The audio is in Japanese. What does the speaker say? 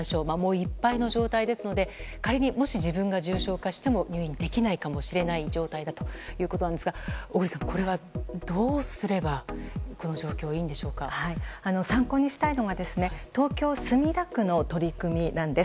いっぱいの状態ですので仮にもし自分が重症化しても入院できない状態だということなんですが小栗さん、これはどうすれば参考にしたいのが東京・墨田区の取り組みなんです。